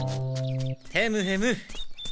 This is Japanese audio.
ヘムヘム。